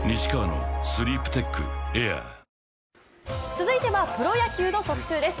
続いてはプロ野球の特集です。